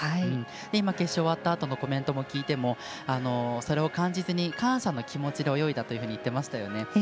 今、決勝終わったあとのコメント聞いてもそれを感じずに感謝の気持ちで泳げたと言っていましたよね。